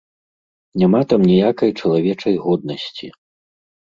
Няма там ніякай чалавечай годнасці!